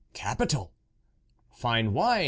" Capital !"" Fine wine